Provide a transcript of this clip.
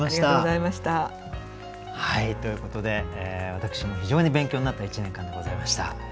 はいということで私も非常に勉強になった一年間でございました。